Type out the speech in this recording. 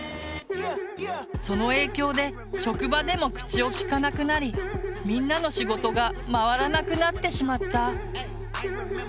その影響で職場でも口を利かなくなりみんなの仕事が回らなくなってしまった。